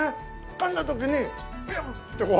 かんだ時にピュンってこう。